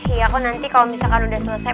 iya aku nanti kalau misalkan udah selesai